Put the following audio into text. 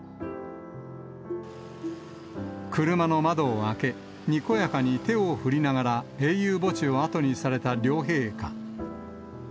車の窓を開け、にこやかに手を振りながら、英雄墓地を後にされた両陛下。